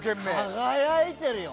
輝いてるよ！